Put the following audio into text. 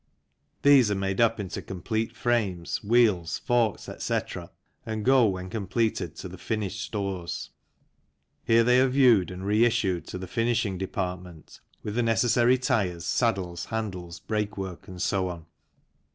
These are made up into complete frames, wheels, forks, etc., and go when completed to the finished stores ; here they are viewed, and re issued to the finishing department with the necessary tyres, saddles, handles, brakework, and so on.